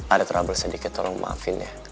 ada trouble sedikit tolong maafin ya